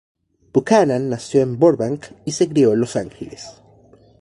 Buchanan nació en Burbank y se crió en Los Ángeles.